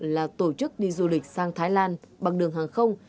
là tổ chức đi du lịch sang thái lan bằng đường hàng không